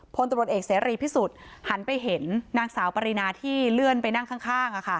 พลตำรวจเอกเสรีพิสุทธิ์หันไปเห็นนางสาวปรินาที่เลื่อนไปนั่งข้าง